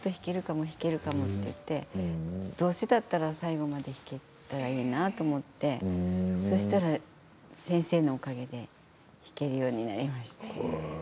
あれもうちょっと弾けるかもと言ってどうせだったら最後まで弾けたらいいなと思って先生のおかげで弾けるようになりました。